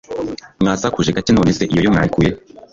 Mwasakuje gake nonese iyo yo mwayikuyehe